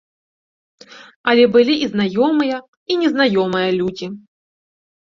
Але былі і знаёмыя, і незнаёмыя людзі.